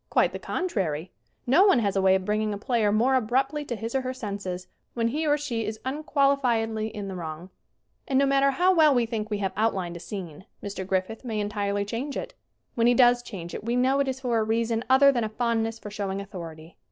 Quite the contrary ! No one has a way of bringing a player more abruptly to his or her senses when he or she is unquali fiedly in the wrong. And no matter how well we think we have outlined a scene Mr. Griffith may entirely change it. When he does change it we know it is for a reason other than a fondness for showing authority.